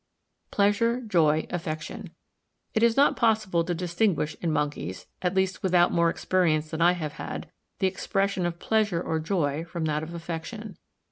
Pleasure, joy, affection—It is not possible to distinguish in monkeys, at least without more experience than I have had, the expression of pleasure or joy from that of affection.